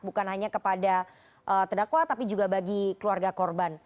bukan hanya kepada terdakwa tapi juga bagi keluarga korban